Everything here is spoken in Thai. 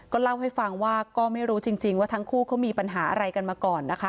เล่าให้ฟังว่าก็ไม่รู้จริงว่าทั้งคู่เขามีปัญหาอะไรกันมาก่อนนะคะ